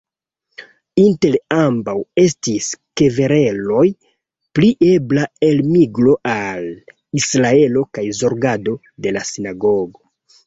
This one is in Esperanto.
Inter ambaŭ estis kvereloj pri ebla elmigro al Israelo kaj zorgado de la sinagogo.